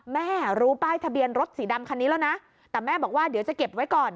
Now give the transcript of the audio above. แม่รู้ป้ายทะเบียนรถสีดำคันนี้แล้วนะแต่แม่บอกว่าเดี๋ยวจะเก็บไว้ก่อน